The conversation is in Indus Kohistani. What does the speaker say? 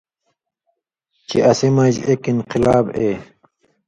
چے اسی مژ اېک انقلاب اے۔